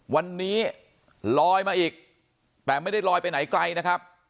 วันนี้ลอยมาอีกแต่ไม่ได้ลอยไปไหนไกลนะครับ